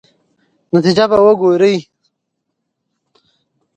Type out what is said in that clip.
نتیجه به ګورئ.